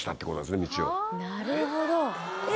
なるほどえ！